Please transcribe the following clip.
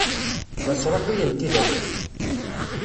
La sṛuḥuyent idammen.